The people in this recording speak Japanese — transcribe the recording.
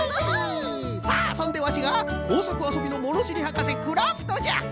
さあそんでワシがこうさくあそびのものしりはかせクラフトじゃ！